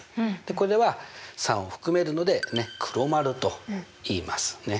これは３を含めるので黒丸といいますね。